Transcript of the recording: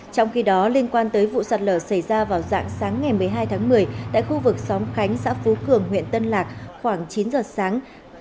trong khi đó liên quan tới vụ sạt lở xảy ra vào dạng sáng ngày một mươi hai tháng một mươi tại khu vực xóm khánh xã phú cường huyện tân lạc khoảng chín giờ sáng